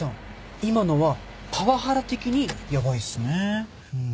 今のはパワハラ的にヤバいっすね。